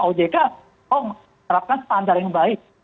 ojk oh menerapkan standar yang baik